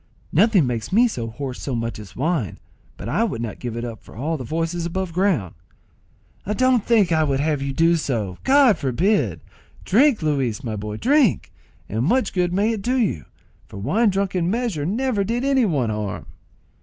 "Nothing makes me so hoarse so much as wine, but I would not give it up for all the voices above ground." "Don't think I would have you do so; God forbid! Drink, Luis my boy, drink; and much good may it do you, for wine drunk in measure never did any one harm."